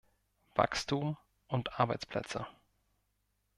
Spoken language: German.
Wachstum und Arbeitsplätze.